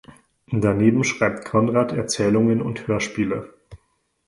Daneben schreibt Konrad Erzählungen und Hörspiele.